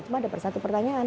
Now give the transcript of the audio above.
cuma ada satu pertanyaan